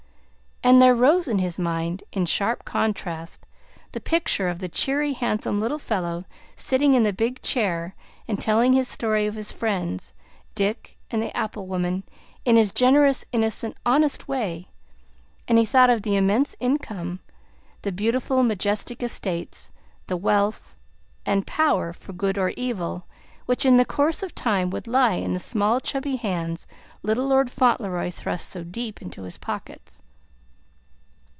And there rose in his mind, in sharp contrast, the picture of the cheery, handsome little fellow sitting in the big chair and telling his story of his friends, Dick and the apple woman, in his generous, innocent, honest way. And he thought of the immense income, the beautiful, majestic estates, the wealth, and power for good or evil, which in the course of time would lie in the small, chubby hands little Lord Fauntleroy thrust so deep into his pockets.